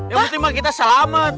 yang penting mah kita selamat